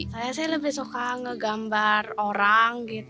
saya sih lebih suka ngegambar orang